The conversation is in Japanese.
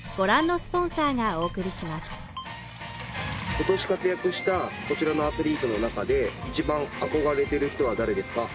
今年活躍したこちらのアスリートの中で一番憧れてる人は誰ですか？